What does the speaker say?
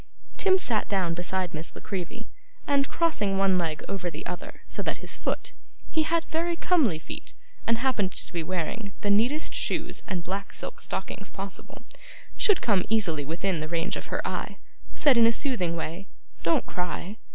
Tim sat down beside Miss La Creevy, and, crossing one leg over the other so that his foot he had very comely feet and happened to be wearing the neatest shoes and black silk stockings possible should come easily within the range of her eye, said in a soothing way: 'Don't cry!